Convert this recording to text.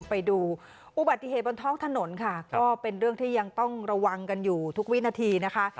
ไปดูอุบัติเหตุบนท้องถนนค่ะก็เป็นเรื่องที่ยังต้องระวังกันอยู่ทุกวินาทีนะคะ